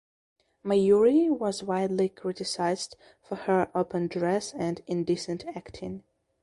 Mayuri was widely criticized for her open dress and indecent acting.